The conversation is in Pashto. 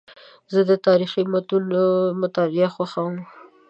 زه د تاریخي متونو مطالعه خوښوم.